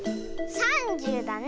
３０だね。